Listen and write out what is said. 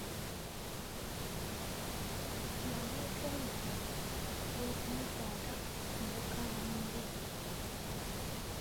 Yamwetondera olw'okumukwata mu bukambwe.